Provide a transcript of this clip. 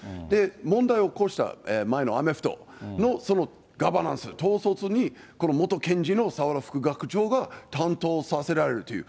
問題を起こした前のアメフトのそのガバナンス、統率にこの元検事の澤田副学長が担当させられるという。